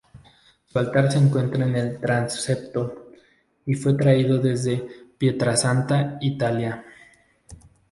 Su altar se encuentra en el transepto y fue traído desde Pietrasanta, Italia.